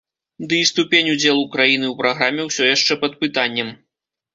Ды і ступень удзелу краіны ў праграме ўсё яшчэ пад пытаннем.